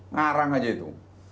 ngarang aja itu